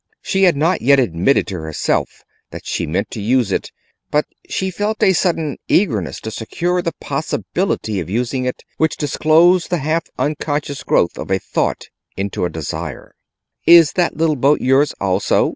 She had not yet admitted to herself that she meant to use it, but she felt a sudden eagerness to secure the possibility of using it, which disclosed the half unconscious growth of a thought into a desire. "Is that little boat yours also?"